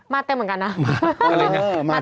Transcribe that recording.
เต็มเหมือนกันนะ